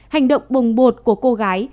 hành động bồng bột của cô gái